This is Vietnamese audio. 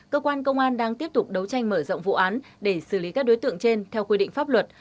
cơ quan công an đang tiếp tục đấu tranh mở rộng vụ án để xử lý các đối tượng trên theo quy định pháp luật